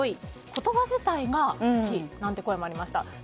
言葉自体が好きなんていう声もありました。